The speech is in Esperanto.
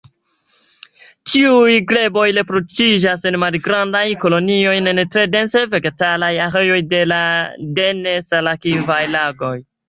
Tiuj greboj reproduktiĝas en malgrandaj kolonioj en tre dense vegetalaj areoj de nesalakvaj lagoj.